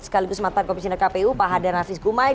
sekaligus matan komisioner kpu pak hadana hafiz gumai